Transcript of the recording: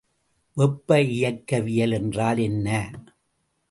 வெப்ப இயக்கவியல் என்றால் என்ன?